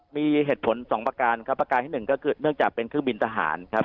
มีเหตุผลสองประการครับประการที่หนึ่งก็คือเนื่องจากเป็นเครื่องบินทหารครับ